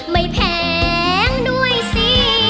ไม่แพงด้วยซิ